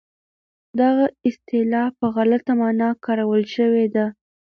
دغه اصطلاح په غلطه مانا کارول شوې ده.